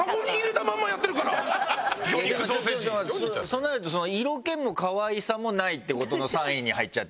そうなると色気もかわいさもないってことの３位に入っちゃって。